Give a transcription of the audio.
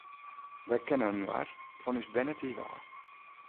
Wy kenne inoar fan ús bernetiid ôf.